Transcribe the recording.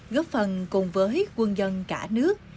góp phần cùng với quân dân cả nước